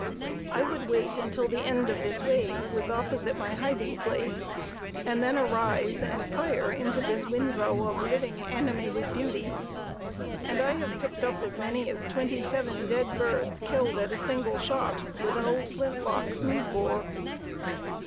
I would wait until the end of this wave was opposite my hiding place and then arise and fire into this windrow of living, animated beauty, and I have picked up as many as twenty seven dead birds killed at a single shot with an old flintlock smooth bore.